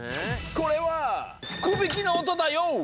これはふくびきのおとだＹＯ！